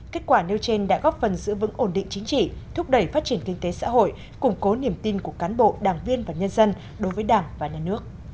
kết quả nêu trên đã góp phần giữ vững ổn định chính trị thúc đẩy phát triển kinh tế xã hội củng cố niềm tin của cán bộ đảng viên và nhân dân đối với đảng và nhà nước